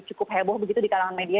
cukup heboh begitu di kalangan media